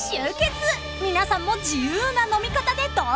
［皆さんも自由な飲み方でどうぞ！］